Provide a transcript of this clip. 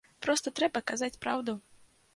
Проста трэба казаць праўду.